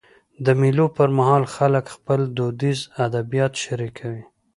د مېلو پر مهال خلک خپل دودیز ادبیات شريکوي.